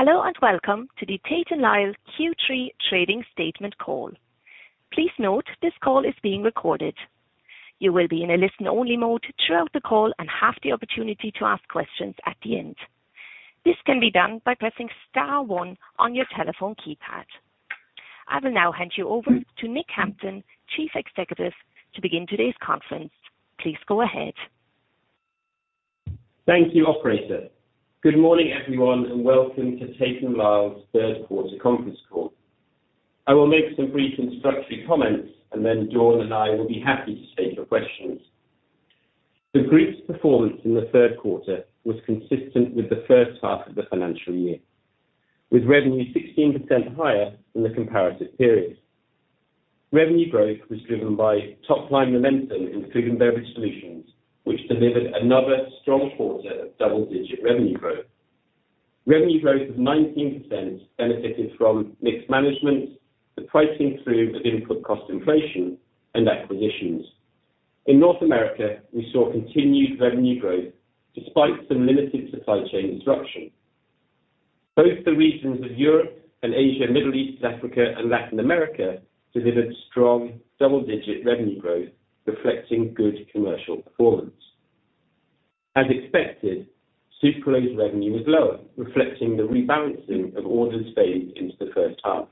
Hello and welcome to the Tate & Lyle Q3 trading statement call. Please note this call is being recorded. You will be in a listen-only mode throughout the call and have the opportunity to ask questions at the end. This can be done by pressing star one on your telephone keypad. I will now hand you over to Nick Hampton, Chief Executive, to begin today's conference. Please go ahead. Thank you, operator. Good morning, everyone, and welcome to Tate & Lyle's third quarter conference call. I will make some brief introductory comments and then Dawn and I will be happy to take your questions. The group's performance in the third quarter was consistent with the first half of the financial year, with revenue 16% higher than the comparative period. Revenue growth was driven by top-line momentum in Food & Beverage Solutions, which delivered another strong quarter of double-digit revenue growth. Revenue growth of 19% benefited from mixed management, the pricing through of input cost inflation, and acquisitions. In North America, we saw continued revenue growth despite some limited supply chain disruption. Both the regions of Europe and Asia, Middle East, Africa and Latin America delivered strong double-digit revenue growth, reflecting good commercial performance. As expected, Sucralose revenue was lower, reflecting the rebalancing of orders phased into the first half.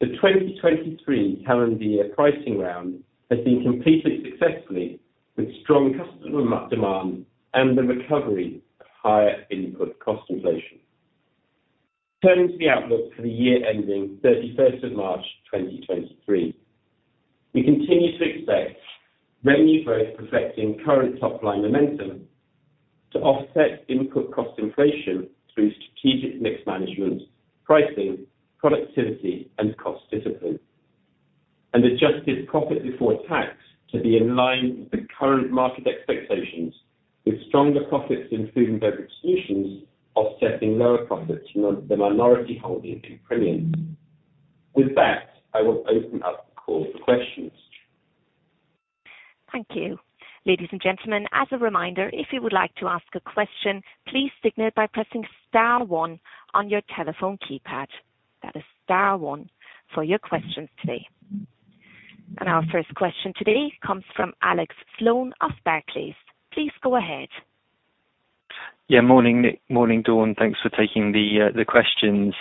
The 2023 calendar year pricing round has been completed successfully with strong customer demand and the recovery of higher input cost inflation. Turning to the outlook for the year ending 31st of March, 2023. We continue to expect revenue growth reflecting current top-line momentum to offset input cost inflation through strategic mix management, pricing, productivity and cost discipline. adjusted profit before tax to be in line with the current market expectations, with stronger profits in Food & Beverage Solutions offsetting lower profits in the minority holding of Primient. With that, I will open up the call for questions. Thank you. Ladies and gentlemen, as a reminder, if you would like to ask a question, please signal by pressing star one on your telephone keypad. That is star one for your questions today. Our first question today comes from Alex Sloane of Barclays. Please go ahead. Morning, Nick. Morning, Dawn. Thanks for taking the questions.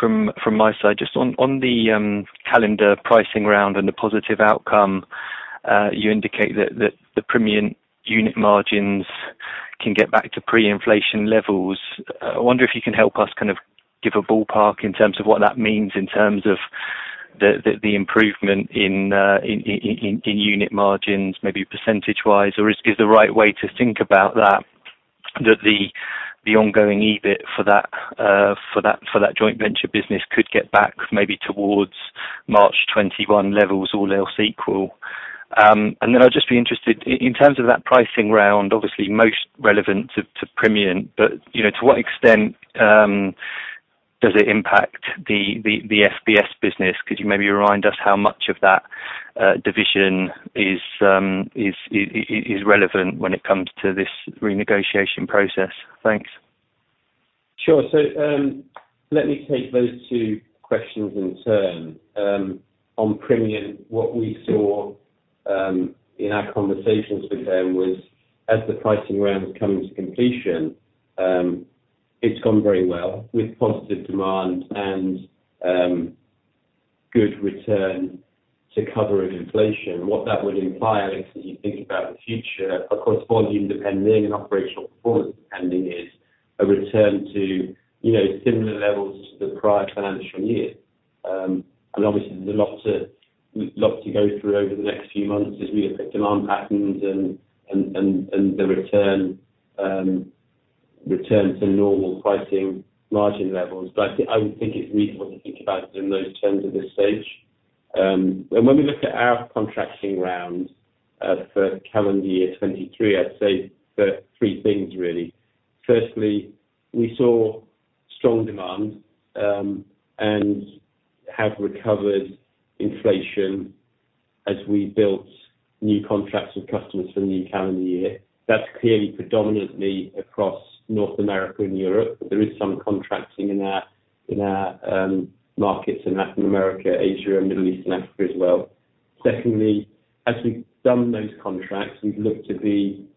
From my side, just on the calendar pricing round and the positive outcome, you indicate that the Primient unit margins can get back to pre-inflation levels. I wonder if you can help us kind of give a ballpark in terms of what that means in terms of the improvement in unit margins, maybe percentage-wise, or is the right way to think about that the ongoing EBIT for that joint venture business could get back maybe towards March 2021 levels, all else equal. I'd just be interested in terms of that pricing round, obviously most relevant to Primient, but, you know, to what extent does it impact the FBS business? Could you maybe remind us how much of that division is relevant when it comes to this renegotiation process? Thanks. Sure. Let me take those two questions in turn. On Primient, what we saw in our conversations with them was as the pricing round comes to completion, it's gone very well with positive demand and good return to cover of inflation. What that would imply, Alex, as you think about the future, of course volume depending and operational performance depending, is a return to, you know, similar levels to the prior financial year. Obviously there's a lot to go through over the next few months as we look at demand patterns and the return to normal pricing margin levels. I think, I would think it's reasonable to think about it in those terms at this stage. When we look at our contracting round for calendar year 23, I'd say there are three things really. Firstly, we saw strong demand and have recovered inflation as we built new contracts with customers for the new calendar year. That's clearly predominantly across North America and Europe, but there is some contracting in our markets in Latin America, Asia, Middle East and Africa as well. Secondly, as we've done those contracts, we've looked to be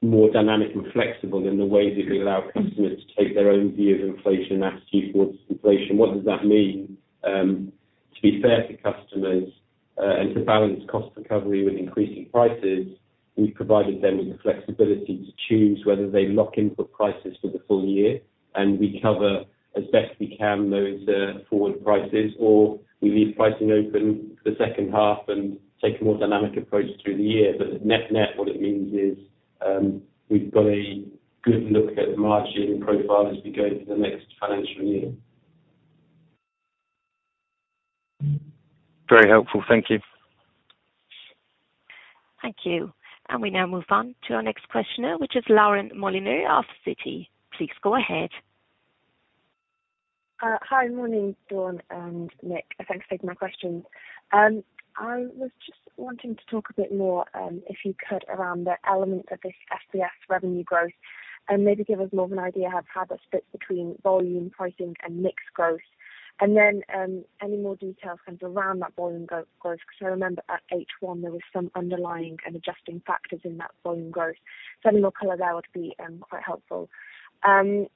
more dynamic and flexible in the way that we allow customers to take their own view of inflation and attitude towards inflation. What does that mean? To be fair to customers, and to balance cost recovery with increasing prices, we've provided them with the flexibility to choose whether they lock input prices for the full year, and we cover as best we can those forward prices, or we leave pricing open for the second half and take a more dynamic approach through the year. Net-net, what it means is, we've got a good look at the margin profile as we go through the next financial year. Very helpful. Thank you. Thank you. We now move on to our next questioner, which is Leora Mlodsky of Citi. Please go ahead. Hi, morning Dawn and Nick. Thanks for taking my questions. I was just wanting to talk a bit more, if you could, around the elements of this SBS revenue growth and maybe give us more of an idea how to have that split between volume pricing and mixed growth. Any more details kind of around that volume growth, because I remember at H1 there was some underlying and adjusting factors in that volume growth. Some more color there would be quite helpful. I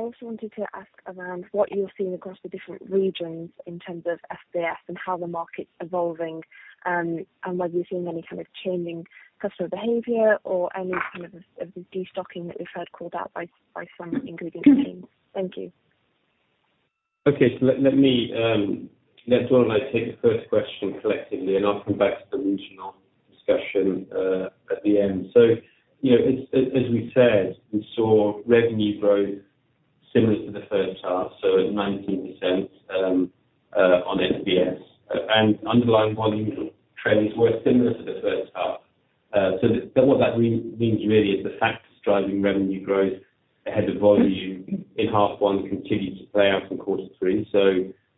also wanted to ask around what you're seeing across the different regions in terms of SBS and how the market's evolving, and whether you're seeing any kind of changing customer behavior or any kind of the de-stocking that we've heard called out by some ingredients teams. Thank you. Okay. Let me let Dawn and I take the first question collectively, and I'll come back to the regional discussion at the end. You know, as we said, we saw revenue growth similar to the first half, at 19% on SBS. Underlying volume trends were similar to the first half. What that means really is the facts driving revenue growth ahead of volume in half one continued to play out in quarter three.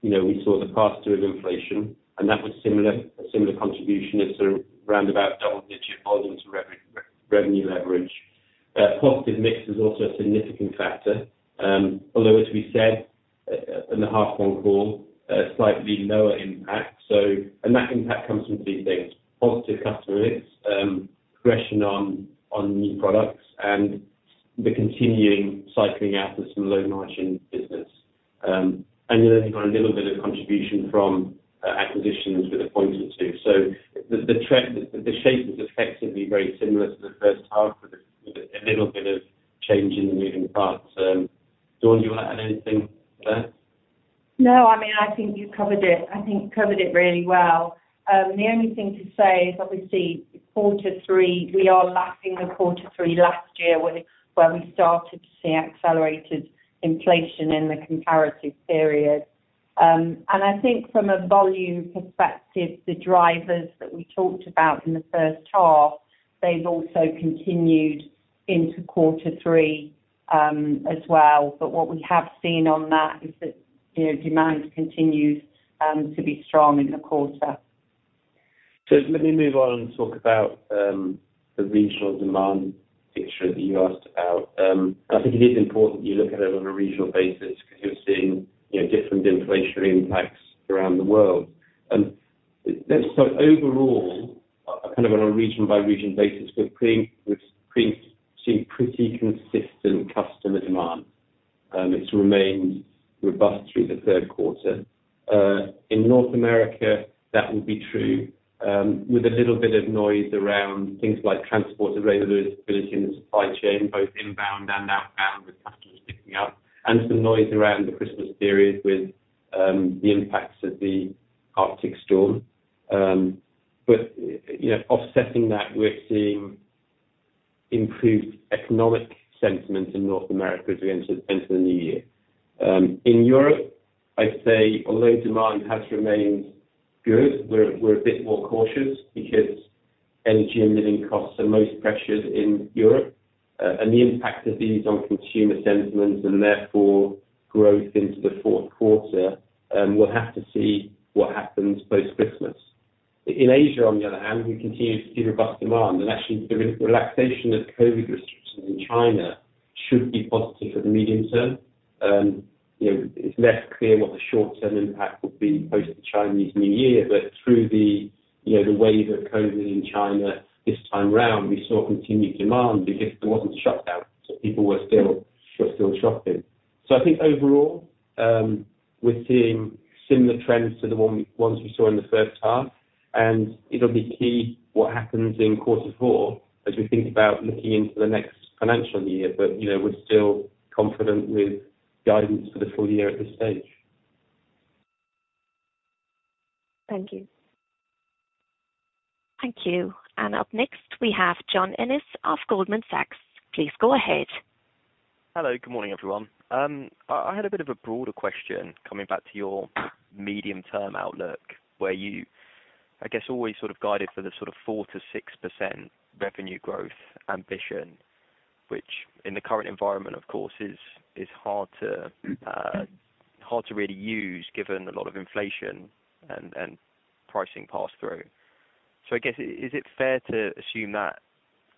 You know, we saw the pass through of inflation, and that was similar, a similar contribution as sort of roundabout double-digit volume to revenue leverage. Positive mix is also a significant factor. Although as we said in the half one call, a slightly lower impact. That impact comes from three things: positive customer mix, progression on new products and the continuing cycling out of some low margin business. Then you've got a little bit of contribution from acquisitions with Quantum Hi-Tech. The trend, the shape is effectively very similar to the first half with a little bit of change in the moving parts. Dawn, do you want to add anything to that? No, I mean, I think you covered it, I think you covered it really well. The only thing to say is obviously quarter three, we are lapping the quarter three last year where we started to see accelerated inflation in the comparative period. I think from a volume perspective, the drivers that we talked about in the first half, they've also continued into quarter three, as well. What we have seen on that is that, you know, demand continues, to be strong in the quarter. Let me move on and talk about the regional demand picture that you asked about. I think it is important you look at it on a regional basis because you're seeing, you know, different inflationary impacts around the world. Let's start overall, kind of on a region by region basis, we're seeing pretty consistent customer demand. It's remained robust through the third quarter. In North America that would be true, with a little bit of noise around things like transport availability in the supply chain, both inbound and outbound, with customers sticking up and some noise around the Christmas period with the impacts of the Arctic storm. You know, offsetting that, we're seeing improved economic sentiment in North America as we enter the new year. In Europe, I'd say although demand has remained good, we're a bit more cautious because energy and living costs are most pressured in Europe, and the impact of these on consumer sentiments and therefore growth into the fourth quarter, we'll have to see what happens post-Christmas. In Asia, on the other hand, we continue to see robust demand and actually the relaxation of COVID restrictions in China should be positive for the medium term. You know, it's less clear what the short term impact will be post the Chinese New Year. Through the, you know, the wave of COVID in China this time round, we saw continued demand because there wasn't shutdown, so people were still shopping. I think overall, we're seeing similar trends to the ones we saw in the first half, and it'll be key what happens in quarter four as we think about looking into the next financial year. You know, we're still confident with guidance for the full year at this stage. Thank you. Thank you. Up next, we have John Ennis of Goldman Sachs. Please go ahead. Hello. Good morning, everyone. I had a bit of a broader question coming back to your medium term outlook, where you, I guess, always sort of guided for the sort of 4%-6% revenue growth ambition, which in the current environment of course, is hard to really use given a lot of inflation and pricing pass through. I guess, is it fair to assume that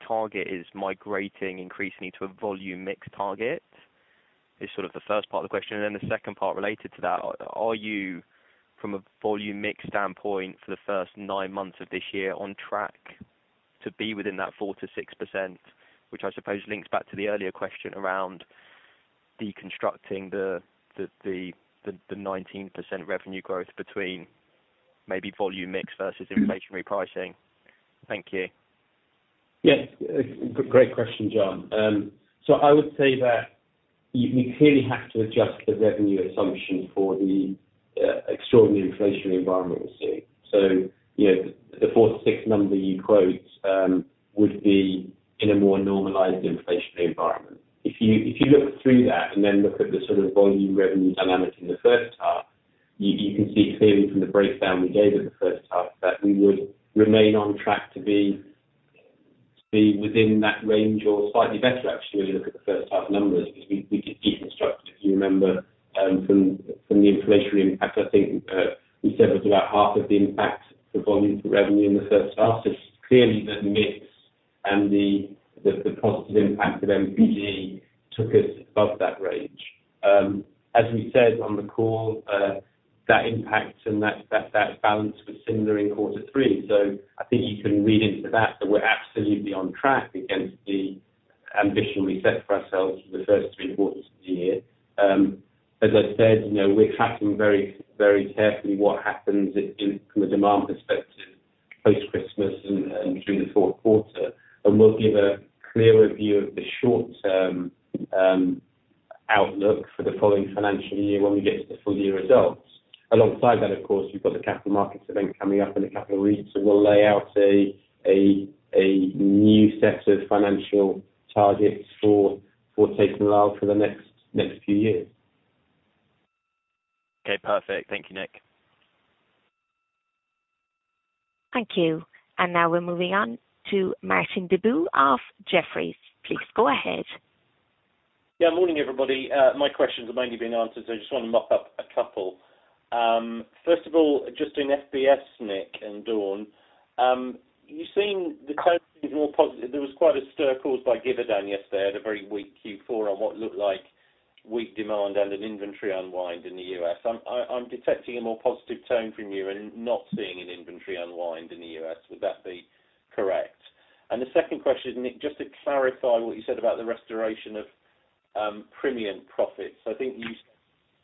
target is migrating increasingly to a volume mix target? Is sort of the first part of the question. The second part related to that, are you from a volume mix standpoint for the first 9 months of this year on track to be within that 4%-6%, which I suppose links back to the earlier question around deconstructing the 19% revenue growth between maybe volume mix versus inflationary pricing? Thank you. Yes. Great question, John. so I would say that you clearly have to adjust the revenue assumption for the extraordinary inflationary environment we're seeing. You know, the 4-6 number you quote, would be in a more normalized inflationary environment. If you, if you look through that and then look at the sort of volume revenue dynamic in the first half, you can see clearly from the breakdown we gave at the first half that we would remain on track to be within that range or slightly better, actually, if you look at the first half numbers, because we did deconstruct, if you remember, from the inflationary impact, I think, we said it was about half of the impact for volume for revenue in the first half. Clearly the mix and the positive impact of MPG took us above that range. As we said on the call, that impact and that balance was similar in quarter three. I think you can read into that we're absolutely on track against the ambition we set for ourselves for the first three quarters of the year. As I said, you know, we're tracking very, very carefully what happens in, from a demand perspective post-Christmas and through the fourth quarter, and we'll give a clearer view of the short-term outlook for the following financial year when we get to the full year results. Alongside that, of course, you've got the capital markets event coming up in a couple of weeks. We'll lay out a new set of financial targets for Tate & Lyle for the next few years. Okay, perfect. Thank you, Nick. Thank you. Now we're moving on to Martin Deboo of Jefferies. Please go ahead. Morning, everybody. My questions have mainly been answered, I just want to mop up a couple. First of all, just in FBS, Nick and Dawn, you've seen the trends more positive. There was quite a stir caused by Givaudan yesterday had a very weak Q4 on what looked like weak demand and an inventory unwind in the US. I'm detecting a more positive tone from you and not seeing an inventory unwind in the US. Would that be correct? The second question, Nick, just to clarify what you said about the restoration of Primient profits. I think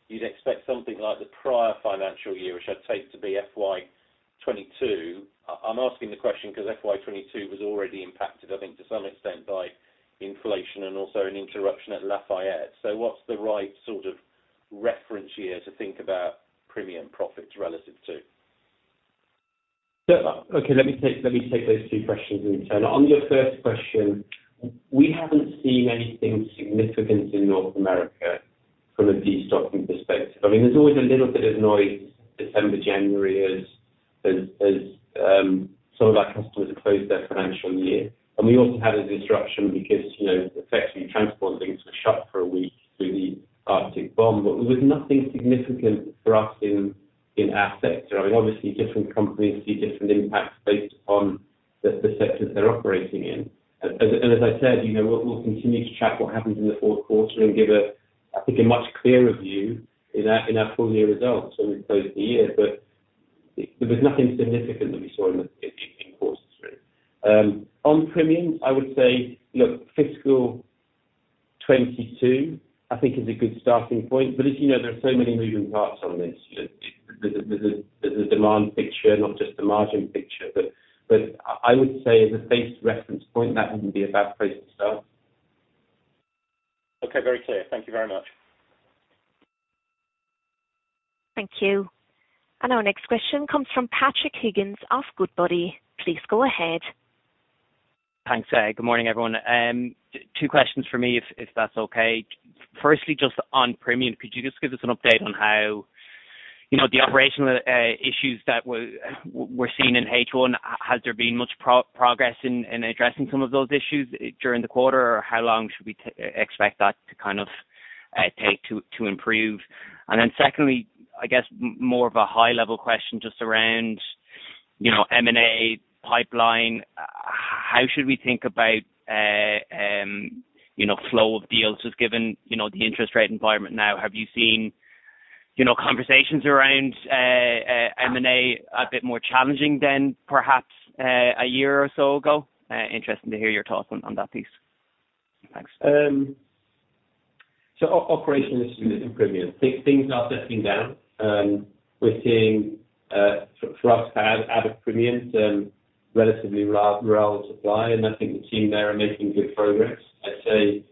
you'd expect something like the prior financial year, which I take to be FY22. I'm asking the question because FY22 was already impacted, I think, to some extent by inflation and also an interruption at Lafayette. What's the right sort of reference year to think about Primient profits relative to? Yeah. Okay, let me take those two questions in turn. On your first question, we haven't seen anything significant in North America from a destocking perspective. I mean, there's always a little bit of noise December, January as some of our customers have closed their financial year. We also had a disruption because, you know, effectively transporting things were shut for a week through the Arctic bomb. There was nothing significant for us in our sector. I mean, obviously, different companies see different impacts based on the sectors they're operating in. As I said, you know, we'll continue to track what happens in the fourth quarter and give a, I think, a much clearer view in our full year results when we close the year. There was nothing significant that we saw in the quarter three. On Primient, I would say, look, fiscal 22 I think is a good starting point. As you know, there are so many moving parts on this. You know, the demand picture, not just the margin picture. I would say as a base reference point, that wouldn't be a bad place to start. Okay. Very clear. Thank you very much. Thank you. Our next question comes from Patrick Higgins of Goodbody. Please go ahead. Thanks. Good morning, everyone. Two questions from me if that's okay. Firstly, just on Primient, could you just give us an update on how, you know, the operational issues that were seen in H1, has there been much progress in addressing some of those issues during the quarter, or how long should we expect that to kind of take to improve? Then secondly, I guess more of a high level question just around, you know, M&A pipeline. How should we think about, you know, flow of deals just given, you know, the interest rate environment now? Have you seen, you know, conversations around M&A a bit more challenging than perhaps a year or so ago? Interested to hear your thoughts on that piece. Thanks. Operation is improved in Primient. Things are settling down. We're seeing for us to add a Primient to relatively low supply, and I think the team there are making good progress. I'd say,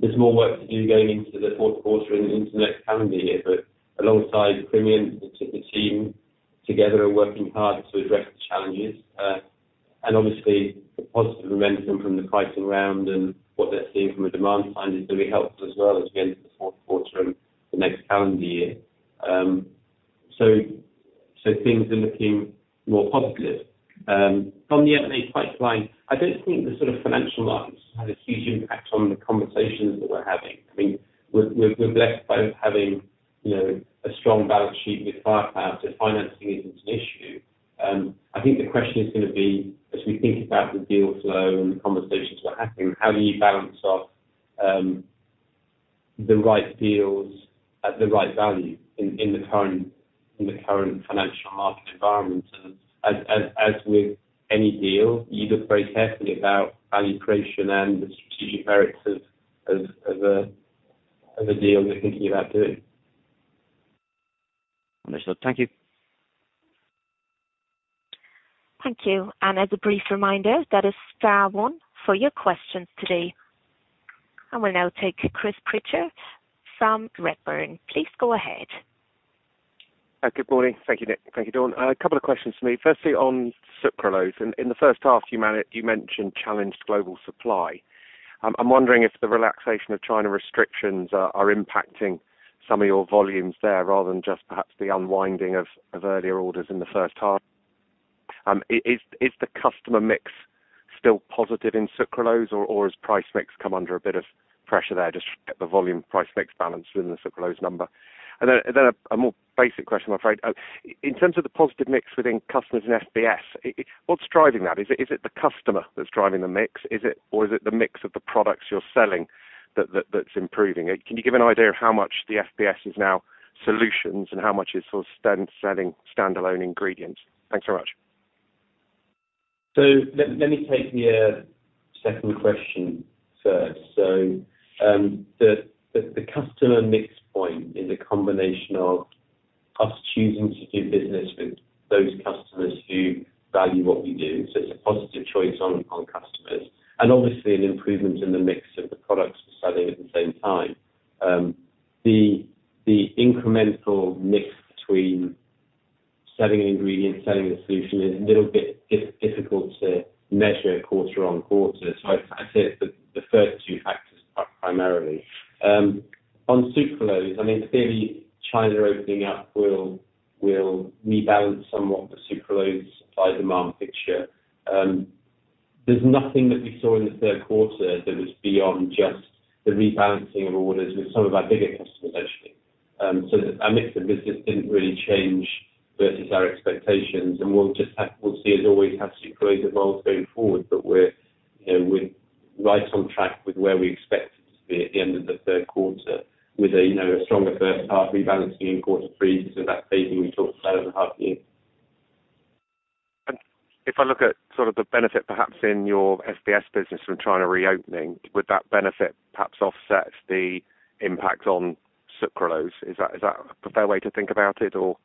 there's more work to do going into the fourth quarter and into next calendar year. Alongside Primient, the team together are working hard to address the challenges. Obviously the positive momentum from the pricing round and what they're seeing from a demand side is going to be helpful as well as we enter the fourth quarter and the next calendar year. Things are looking more positive. From the M&A pipeline, I don't think the sort of financial markets had a huge impact on the conversations that we're having. I mean, we're blessed by having, you know, a strong balance sheet with firepower, so financing isn't an issue. I think the question is gonna be, as we think about the deal flow and the conversations we're having, how do you balance off the right deals at the right value in the current financial market environment? As with any deal, you look very carefully about value creation and the strategic merits of a deal you're thinking about doing. Understood. Thank you. Thank you. As a brief reminder, that is star one for your questions today. I will now take Chris Pitcher from Redburn. Please go ahead. Good morning. Thank you, Nick. Thank you, Dawn. A couple of questions for me. Firstly, on Sucralose, in the first half, you mentioned challenged global supply. I'm wondering if the relaxation of China restrictions are impacting. Some of your volumes there rather than just perhaps the unwinding of earlier orders in the first half. Is the customer mix still positive in Sucralose or has price mix come under a bit of pressure there just to get the volume price mix balance in the Sucralose number? Then a more basic question, I'm afraid. In terms of the positive mix within customers and FBS, what's driving that? Is it the customer that's driving the mix? Or is it the mix of the products you're selling that's improving? Can you give an idea of how much the FBS is now solutions and how much is sort of stand-selling standalone ingredients? Thanks so much. Let me take the second question first. The customer mix point is a combination of us choosing to do business with those customers who value what we do. It's a positive choice on customers, and obviously an improvement in the mix of the products we're selling at the same time. The incremental mix between selling an ingredient and selling a solution is a little bit difficult to measure quarter on quarter. I'd say it's the first two factors primarily. On Sucralose, I mean, clearly, China opening up will rebalance somewhat the Sucralose supply-demand picture. There's nothing that we saw in the third quarter that was beyond just the rebalancing of orders with some of our bigger customers, actually. Our mix of business didn't really change versus our expectations, and we'll see as always have Sucralose involved going forward. We're, you know, we're right on track with where we expect it to be at the end of the third quarter with a, you know, a stronger first half rebalancing in quarter three. That phasing we talked about over the half year. If I look at sort of the benefit perhaps in your FBS business from China reopening, would that benefit perhaps offset the impact on Sucralose? Is that, is that a fair way to think about it, or?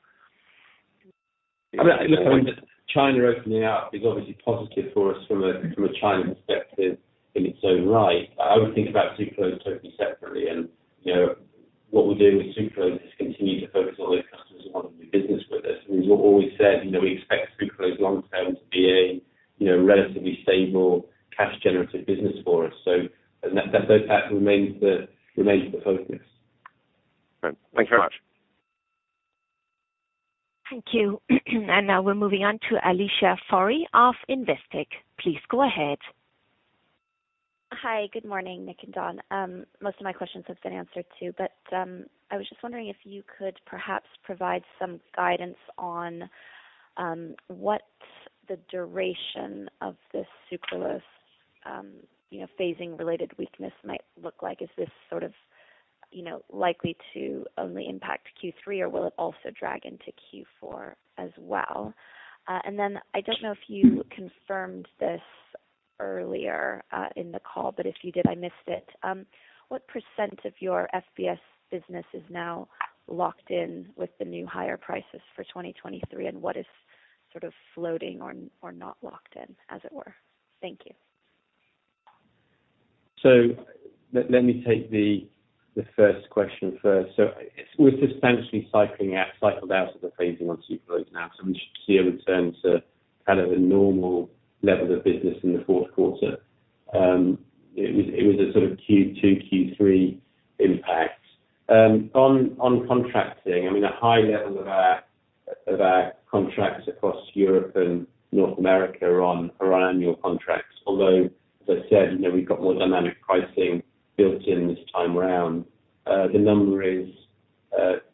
I mean, look, I mean, China opening up is obviously positive for us from a China perspective in its own right. I would think about Sucralose totally separately. You know, what we're doing with Sucralose is continue to focus on those customers who want to do business with us. We've always said, you know, we expect Sucralose long term to be a, you know, relatively stable cash generative business for us. That remains the focus. Great. Thank you very much. Thank you. Now we're moving on to Alicia Forry of Investec. Please go ahead. Hi. Good morning, Nick and Dawn. Most of my questions have been answered, too. I was just wondering if you could perhaps provide some guidance on what the duration of this Sucralose, you know, phasing related weakness might look like. Is this sort of, you know, likely to only impact Q3, or will it also drag into Q4 as well? I don't know if you confirmed this earlier in the call, but if you did, I missed it. What % of your FBS business is now locked in with the new higher prices for 2023, and what is sort of floating or not locked in, as it were? Thank you. Let me take the first question first. We're substantially cycled out of the phasing on Sucralose now, so we should see a return to kind of a normal level of business in the fourth quarter. It was a sort of Q2, Q3 impact. On contracting, I mean, a high level of our contracts across Europe and North America are on annual contracts, although, as I said, you know, we've got more dynamic pricing built in this time around. The number is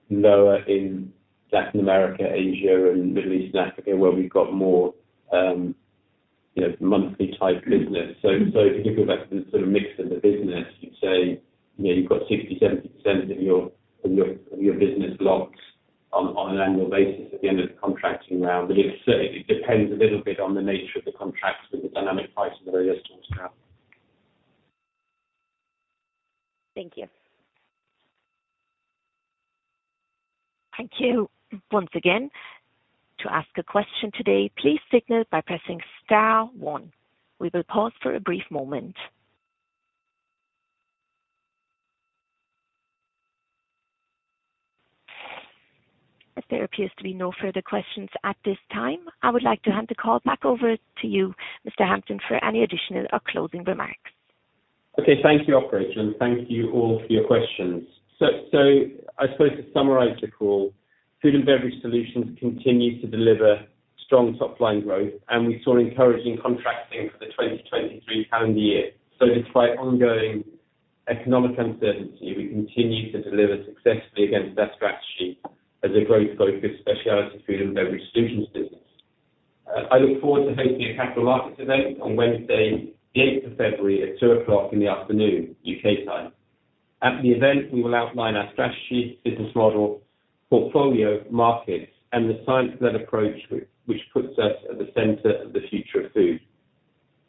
lower in Latin America, Asia and Middle East and Africa, where we've got more, you know, monthly type business. If you go back to the sort of mix of the business, you'd say, you know, you've got 60%-70% of your business locked on an annual basis at the end of the contracting round. It certainly depends a little bit on the nature of the contracts with the dynamic pricing that I just talked about. Thank you. Thank you. Once again, to ask a question today, please signal by pressing star one. We will pause for a brief moment. As there appears to be no further questions at this time, I would like to hand the call back over to you, Mr. Hampton, for any additional or closing remarks. Okay. Thank you, operator, and thank you all for your questions. I suppose to summarize the call, Food & Beverage Solutions continue to deliver strong top-line growth, and we saw encouraging contracting for the 2023 calendar year. Despite ongoing economic uncertainty, we continue to deliver successfully against our strategy as a growth-focused specialty Food & Beverage Solutions business. I look forward to hosting a capital markets event on Wednesday, the 8th of February at 2:00 P.M. UK time. At the event, we will outline our strategy, business model, portfolio, markets and the science-led approach which puts us at the center of the future of food.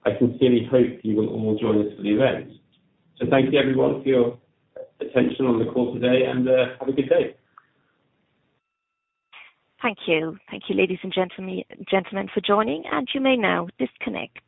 I sincerely hope you will all join us for the event. Thank you everyone for your attention on the call today and have a good day. Thank you. Thank you, ladies and gentlemen for joining. You may now disconnect.